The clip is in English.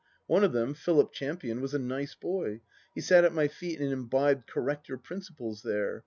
One of them, Philip Champion, was a nice laoy. He sat at my feet and imbibed corrector principles there.